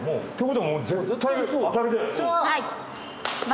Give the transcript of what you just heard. はい。